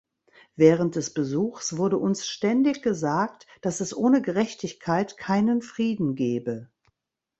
Während des Besuchs wurde uns ständig gesagt, dass es ohne Gerechtigkeit keinen Frieden gebe.